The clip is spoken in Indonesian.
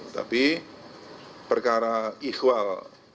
tapi perkara ikhwal